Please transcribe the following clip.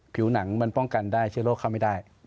ผิวหนังมันป้องกันได้เชื้อโรคเข้าไม่ได้